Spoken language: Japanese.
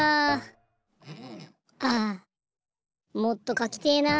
ああもっとかきてえな。